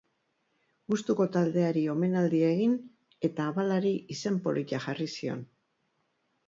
Gustuko taldeari omenaldia egin eta abalari izen polita jarri zion.